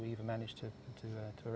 akhirnya kami berhasil